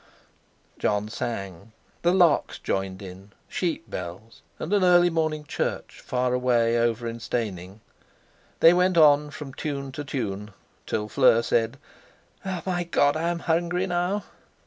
Jon sang. The larks joined in, sheep bells, and an early morning church far away over in Steyning. They went on from tune to tune, till Fleur said: "My God! I am hungry now!"